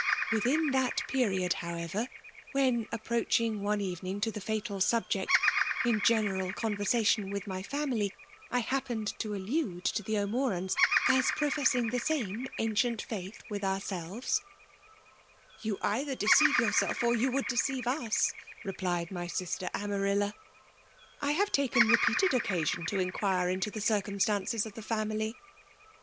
Within that VOL. III. o 290 FEMALE DOMINATION. period^ however^ when approadung one eTcn* ing to the fatal subject^ in general eonvenatioa with my family, I happened to allude to the O'Morans as profimsing the same ancient finth with ourselves,— "' You either deceive yourself, or you would deceive u«/ replied my sister Amarilla. ' I have' taken repeated occasion to inquire into the circumstances of the family.